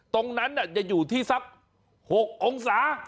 ตรงนั้นจะอยู่ที่สัก๖องศา